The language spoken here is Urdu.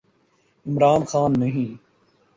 عمران خان نہیں۔